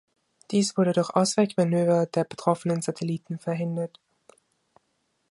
Dies wurde durch Ausweichmanöver der betroffenen Satelliten verhindert.